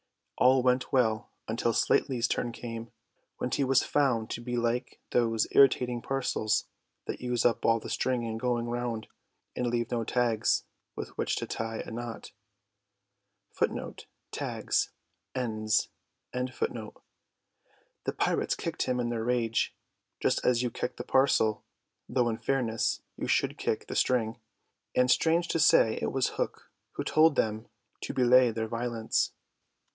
All went well until Slightly's turn came, when he was found to be like those irritating parcels that use up all the string in going round and leave no tags with which to tie a knot. The pirates kicked him in their rage, just as you kick the parcel (though in fairness you should kick the string); and strange to say it was Hook who told them to belay their violence.